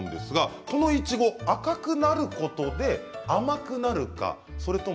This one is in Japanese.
このいちご、赤くなることで甘くなると思いますか？